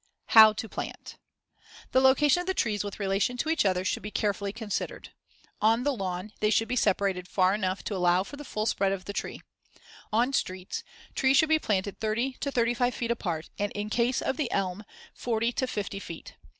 How to plant: The location of the trees with relation to each other should be carefully considered. On the lawn, they should be separated far enough to allow for the full spread of the tree. On streets, trees should be planted thirty to thirty five feet apart and in case of the elm, forty to fifty feet.